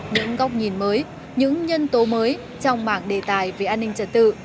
những góc nhìn mới những nhân tố mới trong mảng đề tài về an ninh trật tự